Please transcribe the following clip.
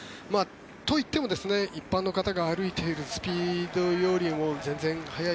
といっても一般の方が歩いているスピードよりも全然速い。